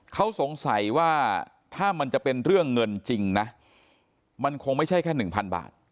เขาสงสัยว่าถ้ามันจะเป็นเรื่องเงินจริงนะมันคงไม่ใช่แค่๑๐๐บาท